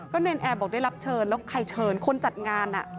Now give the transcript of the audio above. เนรนแอร์บอกได้รับเชิญแล้วใครเชิญคนจัดงาน